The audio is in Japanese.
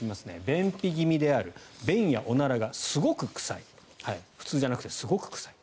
便秘気味である便やおならがすごく臭い普通じゃなくてすごく臭い。